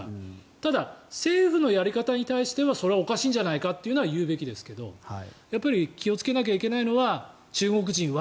ただ、政府のやり方に対してはそれはおかしいんじゃないかというのは言うべきですが気をつけなきゃいけないのは中国人は